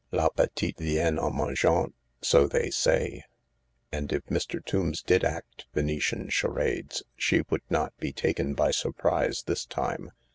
Uappetit vient en mangeant, so they say, and if Mr. Tombs did act Venetian charades she would not be taken by surprise this time.